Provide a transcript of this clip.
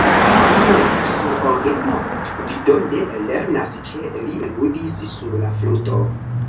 Ho, sur orgeno? Vi do ne lernas ĉe li ludis sur la fluto?